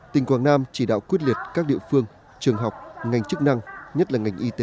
tỉnh quảng nam chỉ đạo quyết liệt các địa phương trường học ngành chức năng nhất là ngành y tế